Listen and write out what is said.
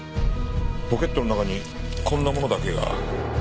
ポケットの中にこんなものだけが。